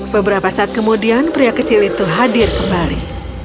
beberapa saat kemudian pria kecil itu hadir kembali